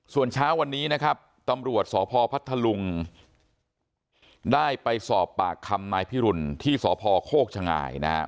ส้วนเช้าวันนี้ตำรวจสอพพลัทธลุงได้ไปศอบปากคำนายพิรุณที่สอพโคกชง่าย